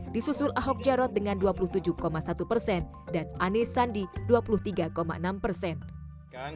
disusul ahok jarot dengan dua puluh tujuh satu persen dan anis sandi dua puluh tiga enam persen